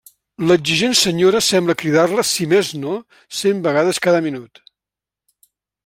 L'exigent senyora sembla cridar-la si més no cent vegades cada minut.